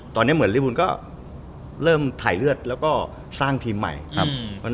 ตอนนี้เหมือนลิวูนก็เริ่มถ่ายเลือดแล้วก็สร้างทีมใหม่ครับ